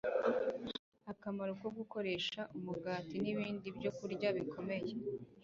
Akamaro ko Gukoresha Umugati nIbindi Byokurya Bikomeye